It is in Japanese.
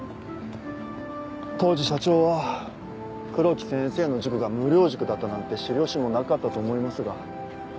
当時社長は黒木先生の塾が無料塾だったなんて知る由もなかったと思いますが。